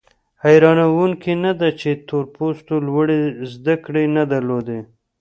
حیرانوونکي نه ده چې تور پوستو لوړې زده کړې نه درلودې.